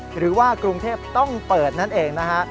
หรือว่ากรุงเทพต้องเปิดนั่นเองนะฮะ